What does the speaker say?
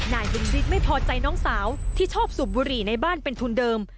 นายบุญฤทธิไม่พอใจน้องสาวที่ชอบสูบบุหรี่ในบ้านเป็นทุนเดิม